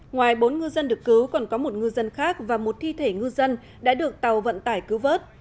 ngoài bốn ngư dân được cứu còn có một ngư dân khác và một thi thể ngư dân đã được tàu vận tải cứu vớt